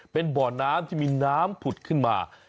เป็นบ่อน้ำที่มีน้ำผุดขึ้นมา